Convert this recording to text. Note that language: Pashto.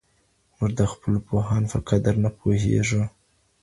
موږ د خپلو پوهانو په قدر نه پوهیږو.